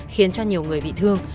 khiến cho nhiều người bị thương